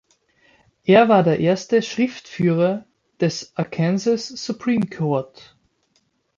Er war der erste Schriftführer des Arkansas Supreme Court.